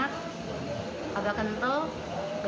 untuk memiliki keuntungan untuk memiliki keuntungan